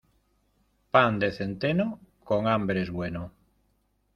Pan de centeno, con hambre es bueno.